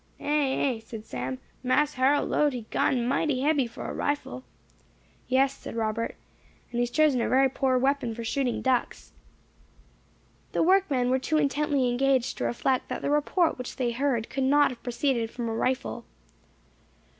"Eh! eh!" said Sam, "Mas Harrol load he gun mighty hebby for a rifle!" "Yes," said Robert, "and he has chosen a very poor weapon for shooting ducks." The workmen were too intently engaged to reflect that the report which they heard could not have proceeded from a rifle.